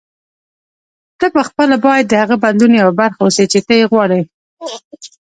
ته پخپله باید د هغه بدلون یوه برخه اوسې چې ته یې غواړې.